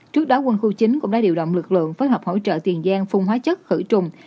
trước đó quân khu chín cũng đã điều động lực lượng phối hợp hỗ trợ tiền giang phun hóa chất khử trùng